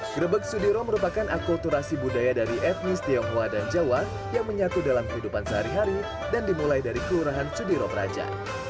gerebek sudiro merupakan akulturasi budaya dari etnis tionghoa dan jawa yang menyatu dalam kehidupan sehari hari dan dimulai dari kelurahan sudiro praja